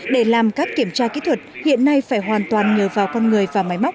để làm các kiểm tra kỹ thuật hiện nay phải hoàn toàn nhờ vào con người và máy móc